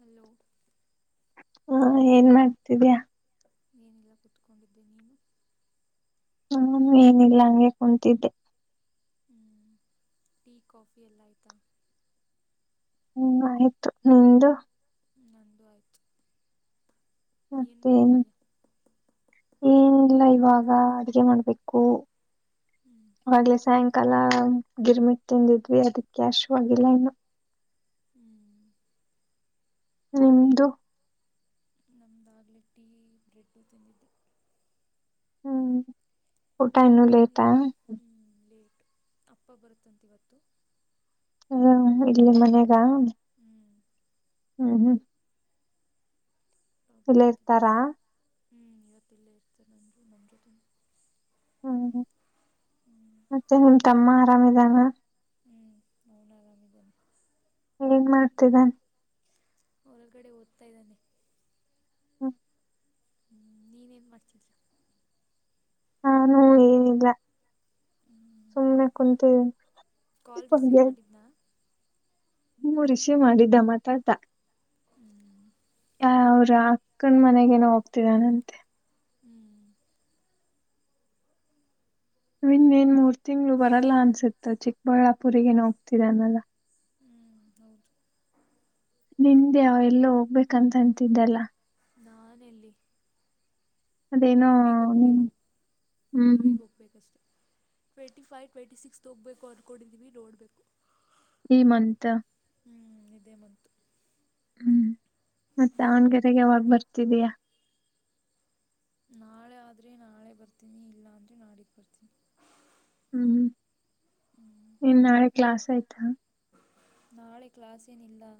Hello ಹಾ hello ಏನ್ ಮಾಡ್ತಿದ್ಯಾ ಏನಿಲ್ಲ ಕುೂತ್ಕೊಂಡಿದ್ದೆ ನೀವು. ನಾನು ಏನಿಲ್ಲ ಹಂಗೆ ಕುಂತಿದ್ದೆ. ಹ್ಮ್ ಟೀ ಕಾಫಿ ಎಲ್ಲ ಆಯ್ತಾ. ಹ್ಮ್ ಆಯ್ತು ನಿಂದು [unintelligible] ನಂದು ಆಯ್ತು. ಮತ್ತೆ ಏನ್ ಇಲ್ಲ ಇವಾಗ ಅಡಗೆ ಮಾಡ್ಬೇಕು. ಹ್ಞೂ ಹಾಗೆ ಸಂಕ್ ಕಲಾ ಗಿರ್ಮಿಟ್ ತಿಂದಿದ್ವಿ ಅದಕ್ಕೆ ಹಸಿವು ಆಗಿಲ್ಲ ಇನ್ನು. ಹ್ಮ್ [unintelligible] ನಿಮ್ದು. ನಮ್ದಾಗಲೇ ಟೀ ಬ್ರೆಡ್ ತಿಂದಿದ್ದು. ಹ್ಮ್ ಊಟ ಇನ್ನು ಲೇಟಾ ತಿನ್ನೋದಿಲ್ಲ ಹ್ಞೂ ಲೇಟು ಅಪ್ಪ ಬರುತ್ತಂತ ಇವತ್ತು. ಹ ಇಲ್ಲಿ ಮನ್ಯಾಗ. ಹ್ಮ್ ಹ್ಮ ಹ್ಮ ಹ ಇಲ್ಲೇ ಬರುತ್ತೆ ಇರ್ತಾರಾ ಬತ್ತು ಹ್ಞೂ ಇವತ್ತಲ್ಲೇ ಇರ್ತ ನಂದೂ ನಮ್ಮ ತಂದು. ಹ್ಮ್ ಮತ್ತೆ ನಿಮ್ ತಮ್ಮ ಆರಾಮಿದಾರ. ಹ್ಮ್ ನನ ಗಾಮಿ ಗಾಮಿ ಎನ್ ಮಾಡ್ತಿರ. ಹೊರಗಡೆ ಓದ್ತಾ ಇದ್ದಾನೆ. ಹುಂ ಹ ನೀನೇನು ಮಾಡ್ತಿಯಾ ಹಾನೂ ಏನಿಲ್ಲಾ ಹ್ಞೂ ಸುಮ್ಮ್ನೆ ಕುಂತಿವಿ- ಕಾಲ್ ರಿಸೀವ್ ಮಾಡಿದ್ದನಾ. ಹು ರಿಸೀವ್ ಮಾಡಿದ್ದಾ ಮಾತಾಡದಾ ಹು ಆ ಅವ್ರ ಅಕ್ಕನ ಮನೆಗೇನ ಹೋಗ್ತಿದಾನಂತೆ. ಹುಂ ವೀನ್ ಎನ್ ಮೂರ್ ತಿಂಗಳು ಬರಲ್ಲಾ ಅನ್ಸುತ್ತೆ ಚಿಕ್ಕಬಳ್ಳಾಪುರಿಗೆ ಹೋಗ್ತಿದಾನಲ್ಲಾ ಹುಂ ಹೌದು ನಿನ್ನೆ ಅವ ಎಲ್ಲೋ ಹೋಗ್ಬೇಕಂತ ಅಂತಿದ್ದಲ್ಲಾ ನಾನ ಎಲ್ಲಿ ಅದೇನೋ ನಿನ್ ಉಳುವಿಗೆೋಗ್ಬೇಕು ಹ್ಮ್ ಉಳುವಿಗೆ ಹೋಗ್ಬೇಕಷ್ಟೆ ಟ್ವೆೇಂಟಿ ಫೈವ್ ಟ್ವೆಂಟಿ ಸಿಕ್ಸ್ ತ್ ಹೋಗಬೇಕು ಅಂದ್ಕೊಂಡಿದ್ದೀವಿ ನೋಡಬೇಕು. ಈ ಮಂತ್ ಹುಂ ಇದೇ ಮಂತು ಹುಂ ಮತ್ತೆ ದಾವಣಗೆರೆಗೆ ಯಾವಾಗ್ ಬರ್ತಿದಿಯಾ ನಾಳೆ ಆದರೆ ನಾಳೆ ಬರ್ತೀನಿ ಇಲ್ಲಾ ಅಂದರೆ ನಾಡಿದ್ ಬರ್ತೀನಿ. ಹುಂ ಹ್ಮ್ ಇನ್ ನಾಳಿಗ ಕ್ಲಾಸ್ ಐಯ್ತಾ ನಾಳಿಗ ಕ್ಲಾಸ್ ಏನಿಲ್ಲಾ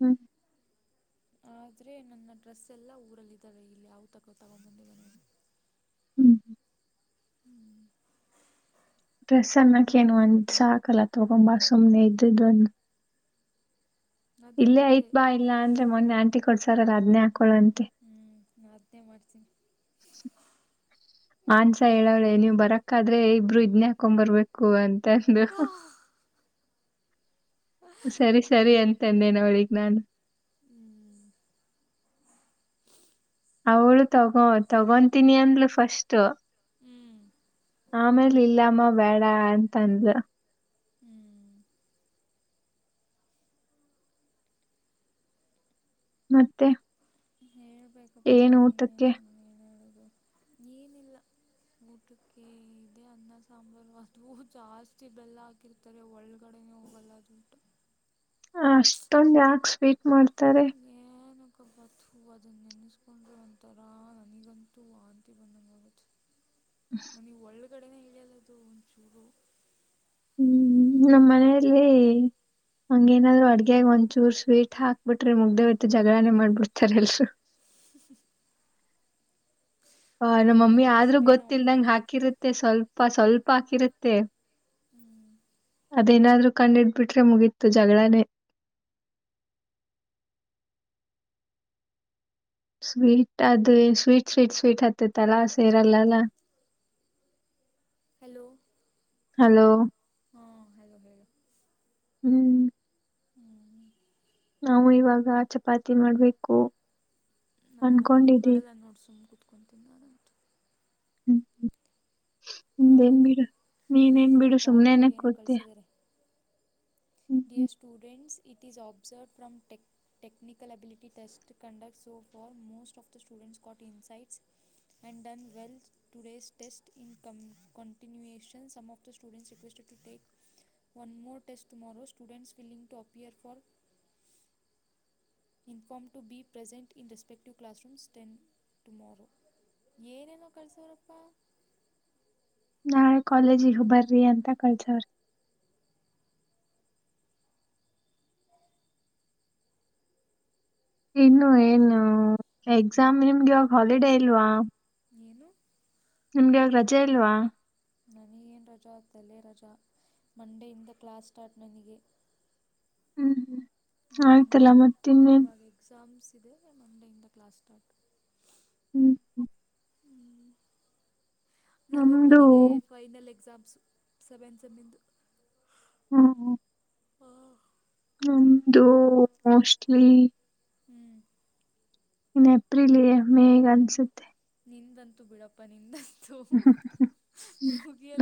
ಹುಂ ಆದ್ರೆ ನನ್ನ ಡ್ರೆಸ್ ಎಲ್ಲಾ ಊರಲ್ಲಿ ಇದ್ದಾವೆ ಇಲ್ಲಿ ಯಾವು ತಗೊ ತಗೊಂಬಂದಿಲಾ ನ ಹುಂ ಹುಂ ಡ್ರೆಸ್ ಅನ್ನಕ್ಕ ಎನು ಒಂದ ಸಾಕಲ್ಲಾ ತಗೊಂಬಾ ಸುಮ್ನೆ ಇದ್ದದ್ದು ಒಂದು ಅದೇ ಇಲ್ಲೇ ಮತ್ತೆ ಐಯತ್ ಬಾ ಇಲ್ಲಾ ಅಂದ್ರೆ ಮೊನ್ನೆ ಆಂಟಿ ಕೊಡ್ಸಾರಲ್ಲಾ ಅದನೇ ಹಾಕೊಳಂತೆ [unintelligible] ಅದೇ ಮಾಡಸಿನೀ ಆನ್ಸ ಹೇಳವಳೆ ನೀವ್ ಬರಕಾದ್ರೆ ಇಬ್ರು ಇದ್ನೇ ಹಾಕೊಂಡ್ ಬರ್ಬೇಕು ಅಂತಂದ್ಲು ಸರಿ ಸರಿ ಹ್ಮ್ ಅಂತನೆೆ ನೋಡಿಗ್ ನಾನು ಹ್ಮ್ ಅವಳು ತಗೋ ತಗೊಂತೀನಿ ಅಂದ್ಲು ಫಸ್ಟು ಹುಂ ಆಮೇಲೆ ಇಲ್ಲಮ್ಮ ಬೇಡ ಅಂತಂದು ಹ್ಞೂ ಮತ್ತೆ ಹೇಳ್ಬೇಕಪ್ಪಾ ಏನು ಊಟಕ್ಕೆ ನೀಗೇನು ಹೇಳ ಹೇಳೋದು ಎನ ಏನಿಲ್ಲಾ ಊಟಕ್ಕೆ ಇದೆ ಅನ್ನ ಸಾಂಬಾರು ಅದು ಜಾಸ್ತಿ ಬೆಲ್ಲಾ ಹಾಕಿರ್ತಾ ರೆ ಒಳಗಡೆ ನೇ ಉಟು ಅಷ್ಟೊಂದು ಯಾಕ ಸ್ವೀಟ್ ಮಾಡ್ತಾರೆ ಏನಕಬ ತು ಅದನ್ನ ನೆನೆಸ್ಕೊಂಡರು ಒಂತರಾ ನನಗಂತೂ ವಾಂತಿ ಬಂದಗಾಗುತೆ [inaudible] ನೀ ಒಳ್ಳಗಡೆನೇ ಇಳಿಯಲ್ಲದು ಒಂದ್ ಚೂರೂ ಹುಂ ನಮ್ಮ ಮನೆಯಲ್ಲಿ ಹಂಗೆ ಏನಾದ್ರೂ ಅಡಿಗೆಯಲ್ಲಿ ಒಂಚೂರು ಸ್ವೀಟ್ ಹಾಕ್ಬಿಟ್ರೆ ಮುಗಿದು ಹೋಯಿತು ಜಗಳಾನೇ ಮಾಡ್ಬಿಡ್ತಾರೆ ಎಲ್ಲರೂ. [inaudible] ನಮ್ಮ ಮಮ್ಮಿ ನಮ್ಮಪ್ಪನೂ ಆದ್ರು ಅಷ್ಟೇ ನಮ್ಮಪ್ಪ ಗೊತ್ತಿಲ್ದಂಗೆ ಹಾಕಿರುತ್ತೆ. ಸ್ವಲ್ಪ ಸ್ವಲ್ಪ ಹಾಕಿರುತ್ತೆ ಹ್ಮ್ ಅದೇನಾದ್ರೂ ಕಂಡು ಹಿಡಿದು ಬಿಟ್ಟರೆ ಮುಗೀತು. ಜಗಳಾನೇ? ಸ್ವೀಟ್ ಅದ ಸ್ವೀಟ್ ಸ್ವೀಟ್ ಸ್ವೀಟ್ ಹತ್ತತಲ್ಲಾ ಸೇರಲ್ಲಲ್ಲ [inaudible] ಹಲೋ ಹಲೋ ಹಾ ಹಲೋ ಹೇಳು ಹ್ಮ್ ಹ್ಮ [inaudible] ನಾವು ಇವಾಗ ಚಪಾತಿ ಮಾಡ್ಬೇಕು. ನಾನು ಏನು ಅನ್ಕೊಂಡಿದ್ದೀವಿ ಮಾಡಲ್ಲ. ನೋಡ್ ಸುಮ್ ಕುತ್ಕೊತೀನಿ ನಾನಂತು ನೀನ್ ಹಾಂ ಏನ್ ಬಿಡು ನೀನ್ ಇರು ಏನ್ ನಮ್ಮ ಸುಮ್ಮನೆ ಕಾಲೇಜವ್ರು ಏನೋ ಕುಡ್ತೀಯಾ ಕಳಿಸಿದ್ದಾರೆ dear students it is after palm tech technical ability test conduct ಸ for most of the students got insights ಎಂಡನ್ done ವೆಲ್ಸ today test income continuation ಕಮ್ಮ of the student requested tech one more test tomorrow students willing to appear for inform to be present in respect classroom ten tomorrow ಏನೇನು ಕಳ್ಸಾರಪ್ಪ? ನಾಳೆ ಕಾಲೇಜಿಗೆ ಬರ್ರಿ ಅಂತ ಕಳಸವ್ರೆ. ಹ [inaudible] ಇನ್ನು ಏನು exam ನಿಮ್ಗೆ ಇವಾಗ ಹಾಲಿಡೇ ಇಲ್ವಾ? ಏನು? ನಿಮಗೆ ಇವತ್ತು ರಜಾ ಇಲ್ವಾ? ನನಗೇನು ರಜಾ ತಲೆ ರಜಾ ಮಂಡೆ ಇಂದ ಕ್ಲಾಸ್ ಸ್ಟಾರ್ಟ್ ನನಗೆ. ಹ್ಮ್ ಹ್ಮ್ ಹ್ಮ್ ಆಯ್ತಲ್ಲ ಮತ್ತ ಇನ್ನೇನು? ಇವಾಗ ಎಕ್ಸಾಮ್ಸ್ ಇದೆ. ಮಂಡೆಯಿಂದ ಕ್ಲಾಸ್ ಸ್ಟಾರ್ಟ್. ಹ್ಮ್ ಹ್ಮ್ ಹ್ಮ್ ನಮ್ದು ನವೆಂಬರಿಗೆ ಫೈನಲ್ ಎಕ್ಸಾಮ್ಸು ಸೆವೆನ್ ಸಮ್ಮಿಂದು. ಹಾ ಹಾ ನಮಂದು ಮೋಸ್ಟ್ಲಿ. ಹ್ಮ್ ಏಪ್ರಿಲ್ ಹೇ ಮೇ ಅನ್ಸುತ್ತೆ? ನಿನ್ನಂತೂ... ಬಿಡಪ್ಪ ನಿಂತಂತೂ...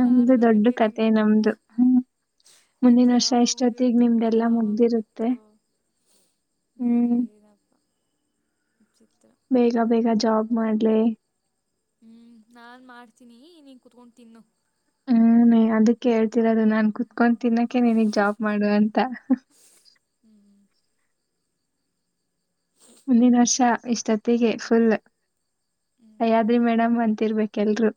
ನಮ್ದು ದೊಡ್ಡ ಕಥೆ ಕತೆ ನಿಂದು. ನಮ್ದು ಹ್ಮ್ ನಿಂದು ಮುಂದಿನ ವರ್ಷ ಯಾವ ಇಷ್ಟೊತ್ತಿಗೆ ಮುಗಿಯುತ್ತೋ? ನಿಮ್ದೆಲ್ಲಾ ಯಾವಾಗ್ ಮುಗ್ದಿರುತ್ತೆ ಬಿಡುತ್ತೋ? ಹ್ಮ್ ಏನಪ್ಪಾ ವಿಚಿತ್ರ. ಬೇಗ ಬೇಗ ಜಾಬ್ ಮಾಡಲೇ ಹ್ಮ್ ನಾನ್ ಮಾಡ್ತೀನಿ ನೀನ್ ಕತ್ಕೊಂಡ್ ತಿನ್ನು. ಹ್ಮ್ ಅದಕ್ಕೆ ಹೇಳ್ತಿರೋದು ನಾನ್ ಕುತ್ಕೊಂಡ್ ಹ್ಮ್ ತಿನ್ನಕೆ ನನೀಗ್ ಜಾಬ್ ಮಾಡುವ ಅಂತ. ಹ್ಮ್ ಹ್ಮ್ ಮುಂದಿನ ವರ್ಷ ಇಷ್ಟೊತ್ತಿಗೆ ಫುಲ್.. ಹ್ಮ್ ಅಯ್ಯಾದ್ರಿ ಮೇಡಮ್ ಅಂತಿರ್ಬೇಕ ಎಲ್ರು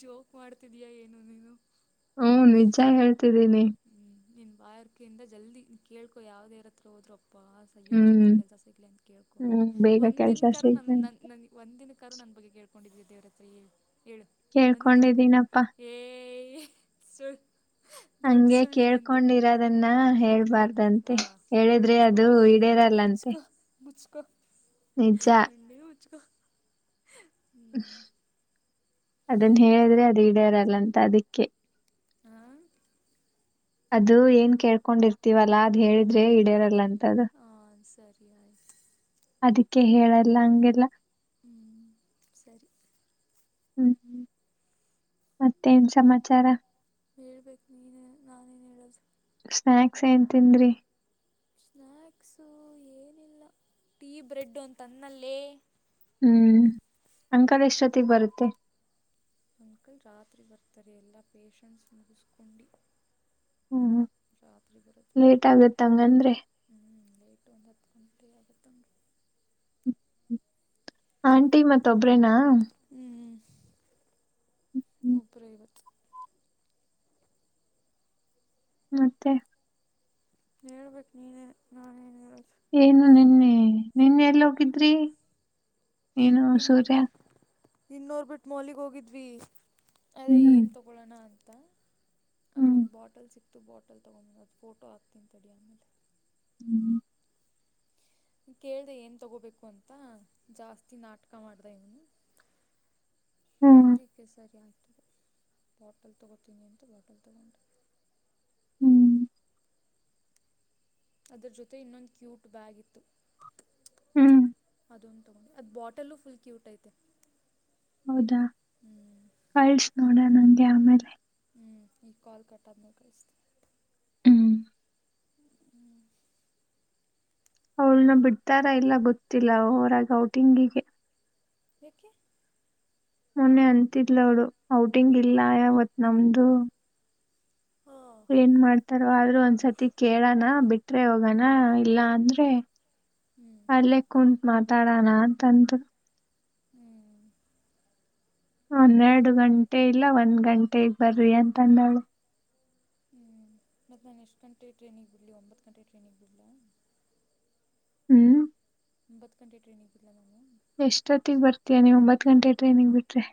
ಜೋಕ್ ಮಾಡ್ತಿದಯ ಏನು ನೀನು? ಹ್ಮ ನಿಜ ಹೇಳ್ತಿದ್ದೀನಿ. ಹ್ಮ ನಿನ್ ಬಾಯ್ ಅರಿಕೆ ಜಲ್ದಿ ಕೇಳ್ಕೊ ಯಾವ್ ದೇವರ್ ಹತ್ರ ಹೋದ್ರ ಅಪ್ಪಾ. ಅಯ್ಯೋ ಜಲ್ದಿ ಹ್ಮ್ ಕೆಲ್ಸ ಸಿಗ್ಲಿ ಅಂತ ಕೇಳ್ಕೊ ಹ್ಮ್ ಬೇಗ ಕೆಲ್ಸ ಒಂದಿನ ಕಾರು ಸಿಗ್ತ ನನ್ ನನ್ನ ನನಗೆ. ಒಂದಿನ ಕಾರು ನನ್ ಬಗ್ಗೆ ಕೇಳ್ಕೊಂಡಿದೆ ದೇವ ಹತ್ರ ಹೇಳ ಹೇಳು ಒಂದಿನ ಕರು. ಕೇಳ್ಕೊಂಡಿದ್ದೀನಪ್ಪಾ ಎ ಸುಳ್- ಹಂಗೆ ಕೇಳ್ಕೊಂಡಿರೋದನ್ನ ಹೇಳ್ಬಾರ್ದಂತೆ ಹೇಳಿದ್ರೆ ಅದು ಇಡೇರಲ್ಲ. ಸ್ಕ ಮುಚ್ಕೊ ನಿ ಮುಚ್ಕೊ ಹ್ಮ್ - ಅದನ್ ಹೇಳಿದ್ರೆ ಅದು ಇಡ್ಯಾರಲ್ಲ ಅಂತ ಅದಿಕ್ಕೆ. ಹಾ ಅದು ಏನ್ ಕೇಳ್ಕೊಂಡಿರ್ತಿವಲ್ಲಾ ಅದ್ ಹೇಳಿದ್ರೆ ಇಡೆರಲ್ಲ ಅಂತ ಅದು. ಹಾಂ ಸರಿ ಆಯ್ತು. ಅದಿಕ್ಕೆ ಹೇಳಲ್ಲ ಹಂಗೆಲ್ಲ. ಹ್ಮ್ ಸರಿ. ಹ್ಮ್ ಹ್ಮ್ ಮತ್ತೇನ್ ಸಮಾಚಾರ. ಹೇಳ್ಬೇಕು ನೀನೆ ನಾನೇನ್ ಹೇಳೋದು. ಸ್ನಾಕ್ಸ್ ಏನ್ ತಿಂದ್ರಿ. ಸ್ನ್ಯಾಕ್ಸು ಏನಿಲ್ಲ ಟೀ ಬ್ರೆಡ್ ಅಂತ ಅಂದ್ನಲ್ಲೇ. ಹ್ಮ್ ಅಂಕಲ್ ಎಷ್ಟೊತ್ತಿಗ್ ಬರುತ್ತೆ. ಅಂಕಲ್ ರಾತ್ರಿ ಬರ್ತಾರೆ ಎಲ್ಲಾ ಪೆಷಂಟ್ಸ್ ಮುಗಿಸ್ಕೊಂಡು. ಹ್ಮ್ ರಾತ್ರಿ ಬರೊದು. ಲೇಟ್ ಆಗುತ್ತೆ ಹಂಗಂದ್ರೆ ಹ್ಞೂ ಲೇಟು ಒಂದು ಹತ್ತು ಗಂಟೆ ಆಗತ್ ರೀ. ಆಂಟಿ ಮತ್ ಒಬ್ರೇನಾ. ಹ್ಞ ಹ್ಮ್ ಒಬ್ರೆ ಇವತ್ತು. ಮತ್ತೆ. ಹೇಳ್ಬೇಕು ನೀನೇ ನಾ ಎನ್ ಹೇಳದೊ. ಏನು ನಿನ್ನೆ ನಿನ್ನೆ ಎಲ್ಲಿ ಹೋಗಿದ್ರಿ. ಏನು ಇನ್ ಸೂರ್ಯ ಇನ್ನೋರ್ ಬಿಟ್ ಮೊಲಿಗ್ ಹೋಗಿದ್ವಿ. ಅದೇ ಹ್ಮ್ ಏನ್ ತಗೊಳಣ ಅಂತ ಅದೆ ಹ್ಮ್ ಒಂದ್ ಬಾಟಲ್. ಸಿಕ್ತು ಬಾಟಲ್ ತೊಗೊಂಬ ಅ ಫೋಟೊ ಹಾಕ್ತನಿ ತಡಿ ಆಮೇಲೆ. ಹ್ಮ್ ಕೇಳ್ದೆ ಏನ್ ತಗೋಬೇಕು ಅಂತ ಜಾಸ್ತಿ ನಾಟಕ ಮಾಡ್ದ ಇವ್ನು. ಹ್ಮ್ ಅದಿಕ್ಕೆ ಸರಿ ಆಗ್ತದೆ ಬಾಟಲ್ ತಗೋತೀನಿ ಅಂತ ಬಾಟಲ್ ತೊಗೊಂಡು. ಹ್ಮ್ ಅದ್ರ ಜೊತೆ ಇನ್ನೊಂದು ಕ್ಯೂಟ್ ಬ್ಯಾಗ್ ಇತ್ತು. ಹ್ಮ್ ಅದಂದು ತಗೊ ಅದ್ ಬಾಟಲ್ ಫುಲ್ ಕ್ಯೂಟ್ ಐತ. ಹೌದಾ ಹ್ಞೂ ಕಳ್ಸ ನೋಡ ನಂಗೆ ಆಮೇಲೆ. ಹ್ಞ ಈ ಕಾಲ್ ಕಟ್ ಆದ್ಮೇಲ್ ಕಳುಸ್ತಿನಿ. ಹ್ಮ್ ಹ್ಮ್ ಅವ್ಳನ್ನ ಬಿಡ್ತಾರ ಇಲ್ಲ ಗೊತ್ತಿಲ್ಲ ಹೊರಾಗ್ ಔಟಿಂಗಿಗೆ. ಯಾಕೆ. ಮೊನ್ನೆ ಅಂತಿದ್ಲ ಅವ್ರು ಔಟಿಂಗ್ ಇಲ್ಲ ಯಾವತ್ ನಮ್ದು. ಹೊ ಏನ್ ಮಾಡ್ತಾರ ಆದ್ರೂ ಒಂದ್ಸತಿ ಕೇಳಣ ಬಿಟ್ರೆ ಹೋಗಣ ಇಲ್ಲ ಅಂದ್ರೆ. ಹ್ಮ್ ಅಲ್ಲಿಯ ಕುಂತ ಮಾತಾಡೋಣ ಅಂತ ಅಂದ ಹುಂ ಹನೇಡು ಗಂಟೆ ಇಲ್ಲಾ ಒಂದ್ ಗಂಟೆಗ್ ಬರ್ರಿ ಅಂತ ಅಂದಾಳು. ಹುಂ ಮತ್ತೆ ನಾನು ಎಷ್ಟು ಗಂಟೆ ಟ್ರೈನಿಗೆ ಬಿಡಲಿ ಒಂಬತ್ತು ಗಂಟೆ ಟ್ರೈನಿಗ್ ಬಿಡಲಾ ಹುಂ ಒಂಬತ್ತು ಗಂಟೆ ಟ್ರೈನಿಗಿಲ್ಲಾ ನಾವು. ಎಷ್ಟೊತ್ತಿಗೆ ಬರ್ತಿಯಾ ನೀವು ಒಂಬತ್ತ ಗಂಟೆ ಟ್ರೈನಿಂಗ್ ಬಿಟ್ರೆ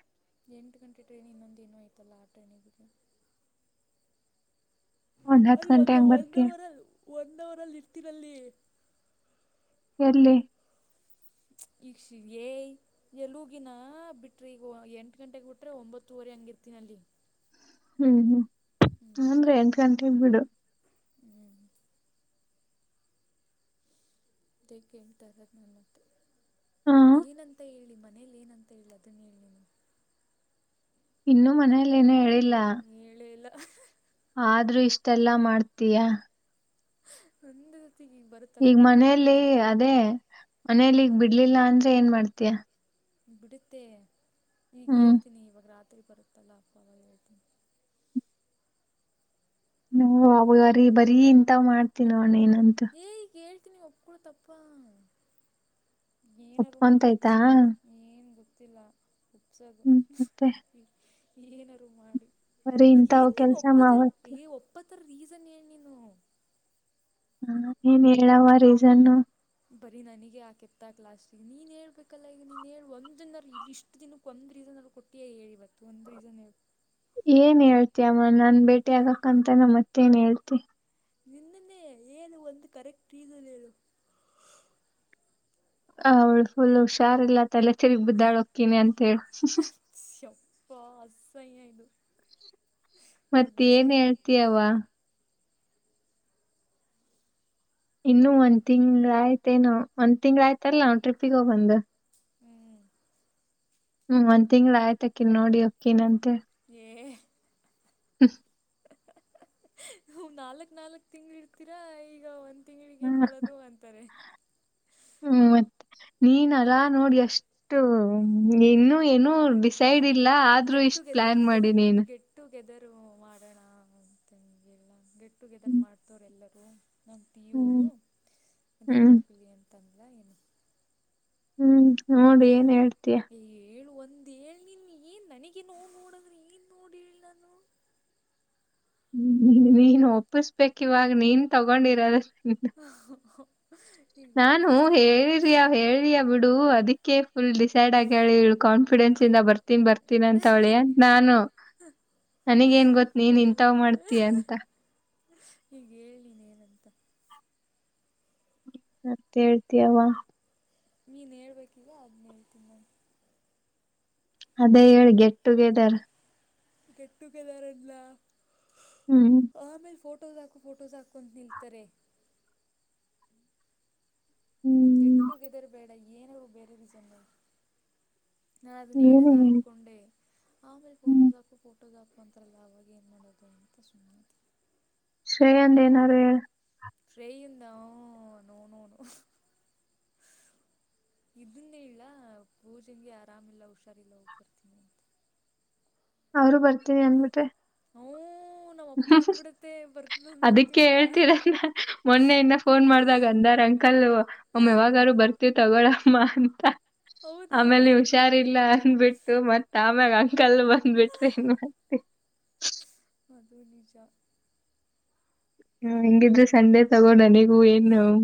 ಎಂಟ ಗಂಟೆ ಟ್ರೈನ್ ಇನ್ನೊಂದ ಇನೂ ಆಯತಲ್ಲ ಆ ಟ್ರೈನಿಗ್ ಬಿಟ್ರೆ ಒಂದ್ ಹತ್ ಅಲ್ಲಿ ಗಂಟೆ ಒಂದ ಹಂಗ್ ಒಂದ್ ಬರ್ತೀಯ ವಾರ್ ಅಲ್ಲಿ ಒಂದ್ ವಾರ್ ಅಲ್ಲಿ ಇರ್ತೀನಲ್ಲಿ ಎಲ್ಲಿ ಯೇ ಎಲುಗಿನ ಬಿಟ್ರಿ ಈಗ ಎಂಟು ಗಂಟೆಗೆ ಬಿಟ್ರೆ ಒಂಬತ್ತುವರೆ ಹಂಗಿರ್ತನ ಅಲ್ಲಿ ಹುಂ ಹ್ಞೂ ಅಂದ್ರೆ ಎಂಟ ಗಂಟೆ ಬಿಡು [inaudible] ಅ ಕೇಳ್ತಾರ ನಮ್ಮತ್ತೆ ಹ ಎನಂತ ಹೇಳಿ ಮನೆ ಮನೇಲಿ ಏನಂತ ಹೇಳಿ ಅದನ್ನ ಹೇಳ ನೀನು ಇನ್ನುೂ ಮನೇೆಯಲ್ಲಿ ಏನು ಹೇಳಿಲ್ಲಾ ಹೇಳೆ ಇಲ್ಲಾ ಆದ್ರೂ ಇಷ್ಟೆಲ್ಲಾ ಮಾಡ್ತಯಾ ಒಂದತಿ ಬರ್ ಈಗ ಮನೆಯಲ್ಲಿ ಅದೇ ಹ್ಞೂ ಮನಲಿ ಈಗ್ ಬಿಡ್ಲಿಲ್ಲಾ ಅಂದ್ರೆ ಏನ್ ಮಾಡ್ತೀಯಾ ಬಿಡುತ್ತೆ ಈಗ ಹ್ಮ್ ಹೇಳ್ತೀನಿ ಇವಾಗ ರಾತ್ರಿ ಬರುತ್ತಿಲ್ಲ ಅಪ್ಪಾ ಅವಾಗ ಹೇಳ್ತೀನಿ. ನಾವು ಅವರಿ ಬರೀ ಇಂತಾವ ಮಾಡ್ತೀ ನೀನಂತೂ ಏ ಈಗ ಹೇಳ್ತೀನಿ ಒಪ್ಪಕೋಳ ತಪ್ಪಾ ಏನಾದ್ರು ಮಾಡು ಒಪ್ಕೊಂತಯ್ತಾ ಒಪ್ಪಸ್ತನಿ ಏನು ಗೊತ್ತಿಲ್ಲಾ ಒಪ್ಪಸಂಗ ಹ್ಮ್ ಮತ್ತೆ ಈ ಏನ್ರು ಮಾಡಿ. ಬರೀ ಈಗ ಇಂತಾವ್ ಏನ್ ನೀನು ಕೆಲ್ಸ ಒಪ್ಪುತ್ತಾರ ಮಾಡವತ್ತ ಏ ಒಪ್ಪತ್ತಾರ ರೀಸನ್ ಹೇಳ ನೀನು ಹ ಏನ್ ಹೇಳವ ರೀಸನ್ನು ಬರೀ ನನಗೆ ಆ ಕೆತ್ತಾಲಾಸ್ಟಿಗೆ ನೀನ್ ಹೇಳ್ಬೇಕಲ್ಲ ಈಗ ನೀನ್ ಒಂದಿನ ಇ ಇಷ್ಟು ದಿನಕ್ಕೆ ಒಂದು ರೀಸನು ಕೊಟ್ಟ ಏ ಹೇಳಿ ಬತ್ತು ಒಂದು ರೀಸನ್ ಏನ್ ಹೇಳತೀಯಾಮ್ಮ ನನ್ ಭೇಟಿ ಆಗಕಂತಾನ ಮತ್ತೇನ್ ಹೇಳ್ತೀನಿ ನಿನ್ನನ್ನೇ ಏನು ಒಂದು ಕರೆಕ್ಟ್ ರೀಸನ್ ಹೇಳು. ಹ ಅವಳು ಫುಲ್ ಹುಷಾರಿಲ್ಲಾ ತಲೆ ತಿರ್ಗ್ ಬಿದ್ದಾಳ ಹೋತೀನಿ ಅಂತ ಹೇಳ. ಸೆಪ್ಪಾ ಅಸ್ಯದು ಮತ್ ಏನ್ ಹೇಳ್ ತೀಯವ್ವಾ ಇನ್ನು ಒಂದ ತಿಂಗಳ ಆಯ್ತೇನು ಒಂದ್ ತಿಂಗಳ ಆಯ್ತಲ್ಲ ನಾವ ಟ್ರಿಪ್ಪಿಗೆೋಗಿ ಬಂದ್ ಹುಂ ಹುಂ ಒಂದ್ ತಿಂಗಳ ಆಯ್ತಾಕಿನ್ ನೋಡಿ ಅಕ್ಕಿನಂತೆ ಏ [inaudible] ಹ ನಾಲ್ಕ್ ನಾಲ್ಕ್ ತಿಂಗಳ ಇರ್ತೀರಾ ಈಗ ಒಂದ ತಿಂಗಳಿಗೆ ಹ್ಮ್ ನೋಡೋದು ಅಂತಾರೆ. ಹುಂ ಮತ್ತೆ ನೀನಲ್ಲ ನೋಡಿ ಎಷ್ಟು ಎನ್ನು ಏನು ಡಿಸೈಡ್ ಇಲ್ಲಾ ಆದ್ರೂ ಇಷ್ಟ್ ಪ್ಲಾನ್ ಮಾಡಿನ ಗಟ್ ಟುಗೆದರು ಮಾಡೋಣ ಅಂತಂಗೆಲ್ಲ ಗೆಟ್ ಟುಗೆದರ್ ಮಾಡ್ತವ್ರ ಎಲ್ಲರೂ ನಮ್ಮ ಪಿಯುಯೋರು ಹ್ಮ್ ಅದಕ್ಕೆ ಹ್ಮ್ ಹೋಗ್ಲಿ ಅಂತಂದ್ರ ಏನು. ಹ್ಮ್ ನೋಡ ಏನ್ ಹೇಳ್ತಿಯಾ. ಏ ಹೇಳು ಒಂದ್ ಹೆಳ್ ನಿನ್ ಏನ್ ನನಗೆ ನೋಡ್ ನೋಡಂದ್ರೆ ಏನ್ ನೋಡಿ ಹೇಳಿ ನಾನು. ಹ್ಮ ನೀನ್ ಒಪ್ಪಿಸ್ಬೇಕ್ ಇವಾಗ ನೀನ್ ತಗೊಂಡಿರದ ಹ ಹ ಹ ನಾನು ಹೇಳಿರಿಯಾ ಹೇಳ್ ರಿಯಾ ಬಿಡು ಅದಕ್ಕೆ ಫುಲ್ ಡಿಸೈಡ್ ಆಗ್ಯಾಳ ಇವ್ಳು ಕಾನ್ಫಿಡೆನ್ಸ್ ಇಂದ ಬರ್ತೀನ ಬರ್ತೀನ ಅಂತ ವಳೇ ಅಂತ ನಾನು ನನಗೇನ್ ಗೊತ್ ನೀನ್ ಇಂತವ ಮಾಡ್ತೀಯ ಅಂತ. ಈಗ ಹೇಳ್ ನೀನೇನಂತ. ಮತ್ತ ಹೇಳ್ತಿಯವ ನೀನ್ ಹೇಳ್ಬೇಕ ಈಗ ಅದ್ನ ಹೇಳ್ತೀನ ನಾನು. ಅದೇ ಹೇಳ ಗೆಟಟುಗೆದರ್. ಗೆಟ್ಟುಗೆದರ ಅನ್ಲಾ. ಹ್ಮ್. ಆಮೇಲ ಫೋಟೋಸ್ ಹಾಕ ಫೋಟೋಸ್ ಹಾಕು ಅಂತ ನಿಲ್ತಾರೆ. ಗೆಟ್ ಹ್ಮ್ ಟುಗೆದರ್ ಬೇಡ ಏನಾರು ಬೇರೆ ರೀಸನ್ ಹೇಳು. ನಾ ಏನ್ ಅದನ್ನೇಳನ ಹೇಳ್ ಅನ್ಕೊಂಡೆ. ಆಮೇಲ ಹ್ಮ್. ಫೋಟೋಸ್ ಹಾಕು ಫೋಟೋಸ್ ಹಾಕೋ ಅಂತಾರಲ್ಲ ಅವಗೇನ ಮಾಡೋದು ಅಂತ ಸುಮ್ನಾದೆ. ಸರಿ ಒಂದೇನಾರ ಹೇಳ್. ಟ್ರೈಯನ ನೋ ನೋ ನೋ. [inaudible] ಇದನ್ನೆಳಲ ಪೂಜನ್ಗೆ ಆರಾಮೀಲ್ಲ ಹುಷಾರಿಲ್ಲ ಹೋಗ್ ಬರ್ತೀನಿ ಅಂತ. ಅವರು ಬರ್ತೀನಿ ಅಂದಬಿಟ್ರೆ. ಹು ನಮ್ಮ ಅಪ್ಪ ಅಂದ್ಬಿಡುತ್ತೆ. ಬರ್ತ ಅದಕ್ಕೆ ಬರ್ತೀನಿ ಬಾ ಹೇಳ್ತೀರೋದ್ ನಾ ಮೊನ್ನೆ ಇನ್ನ ಫೋನ್ ಮಾಡ್ದಾಗ ಅಂದಾರ್ ಅಂಕಲ್. ಒಮ್ಮ ಯಾವಾಗಾರು ಬರ್ತಿವ ತಗೋಳಮ್ಮ ಅಂತ ಹೌದಾ ಆಮೇಲೆ ನೀವು ಹುಷಾರಿಲ್ಲ ಅಂದ್ಬಿಟ್ಟು ಮತ್ತ ಆಮ್ಯಾಗ ಅಂಕಲ್ ಬಂದ್ಬಿಟ್ರೆ ಏನ್ ಮಾಡೋದ್. ಅದು ನಿಜಾ. ಹ ಹಂಗಿದ್ರೆ ಸಂಡೆ ತಗೋ ನನಗೂ ಏನ